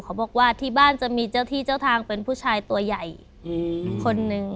เขาบอกว่าที่บ้านจะมีเจ้าที่เจ้าทางเป็นผู้ชายตัวใหญ่คนนึง